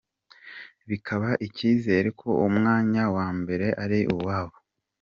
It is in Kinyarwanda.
Bikabaha icyizere ko umwanya wa mbere ari uwabo.